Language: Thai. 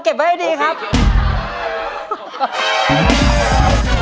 เก็บไว้ให้ดีครับ